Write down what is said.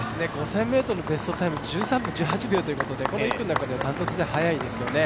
５０００ｍベストタイム１３分１８秒ということでこの１区の中では断トツで速いですよね。